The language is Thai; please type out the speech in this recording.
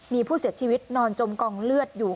มีผู้เสียชีวิตนอนจมกองเลือดอยู่